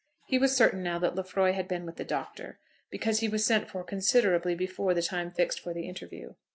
He was certain now that Lefroy had been with the Doctor, because he was sent for considerably before the time fixed for the interview.